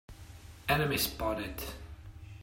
Enemy spotted!